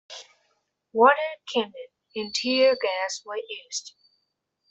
Water cannon and tear gas were used.